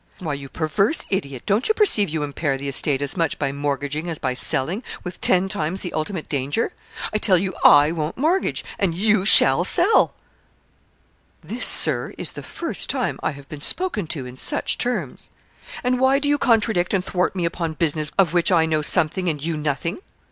'Why, you perverse idiot, don't you perceive you impair the estate as much by mortgaging as by selling, with ten times the ultimate danger. I tell you I won't mortgage, and you shall sell.' 'This, Sir, is the first time I have been spoken to in such terms.' 'And why do you contradict and thwart me upon business of which I know something and you nothing?